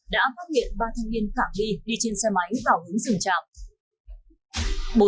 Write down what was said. đã phát hiện ba thành viên khẳng đi trên xe máy vào hướng rừng trạm